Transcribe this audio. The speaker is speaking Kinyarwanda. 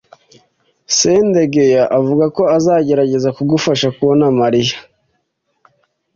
Sendegeya avuga ko azagerageza kugufasha kubona Mariya.